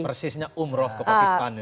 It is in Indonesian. persisnya umroh ke pacitan